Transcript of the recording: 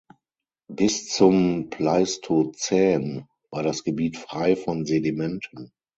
Bis zum Pleistozän war das Gebiet frei von Sedimenten.